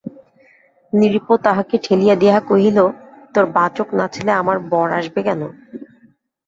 নৃপ তাহাকে ঠেলিয়া দিয়া কহিল, তোর বাঁ চোখ নাচলে আমার বর আসবে কেন?